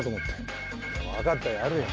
あぁ分かったよやるよ。